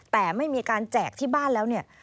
แต่ไม่มีการแจกที่บ้านแล้วเนี่ย